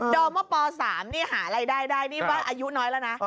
ดมป๓หารายได้นี่มัธยาว้นวะ